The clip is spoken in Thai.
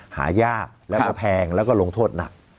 หายากแล้วก็แพงแล้วก็ลงโทษหนัก